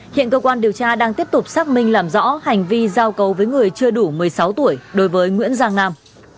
hiện cơ quan điều tra đang tiếp tục xác minh làm rõ hành vi giao cấu với người chưa đủ một mươi sáu tuổi đối với nguyễn giang nam